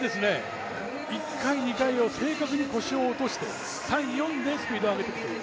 １回、２回、正確に腰を落として、３、４でスピ−ドを上げていく。